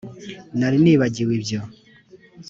nari nibagiwe ibyo